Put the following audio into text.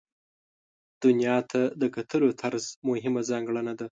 دنیا ته د کتلو طرز مهمه ځانګړنه ده.